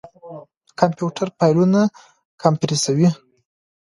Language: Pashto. کمپيوټر فايلونه کمپريسوي.